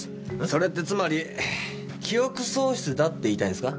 それってつまり記憶喪失だって言いたいんですか？